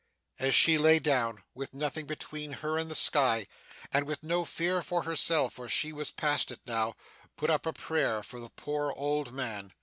And yet she lay down, with nothing between her and the sky; and, with no fear for herself, for she was past it now, put up a prayer for the poor old man.